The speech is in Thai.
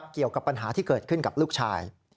เกี่ยวกับปัญหาที่เกิดขึ้นกับลูกชาย